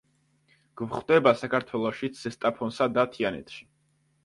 გვხვდება საქართველოშიც, ზესტაფონსა და თიანეთში.